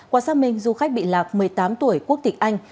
qua xác minh du khách bị lạc một mươi tám tuổi quốc tịch anh